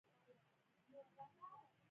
استاد بینوا د کتاب لیکلو هنر درلود.